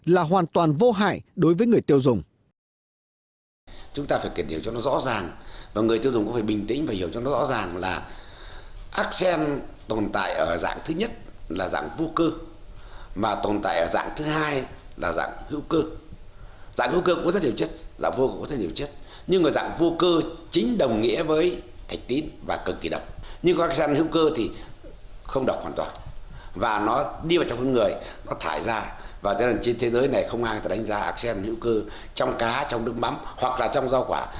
là hoàn toàn vô hại đối với người tiêu dùng